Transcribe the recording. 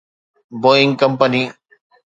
Boeing company